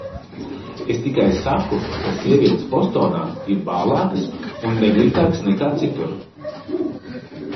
Es tikai saku, ka sievietes Bostonā ir bālākas un neglītākas nekā citur.